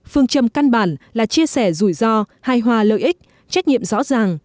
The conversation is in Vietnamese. phương châm căn bản là chia sẻ rủi ro hài hòa lợi ích trách nhiệm rõ ràng